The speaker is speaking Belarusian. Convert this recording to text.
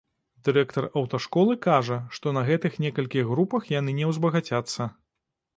Дырэктар аўташколы кажа, што на гэтых некалькіх групах яны не ўзбагацяцца.